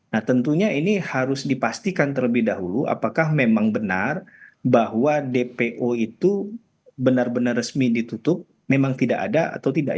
nah tentunya ini harus dipastikan terlebih dahulu apakah memang benar bahwa dpo itu benar benar resmi ditutup memang tidak ada atau tidak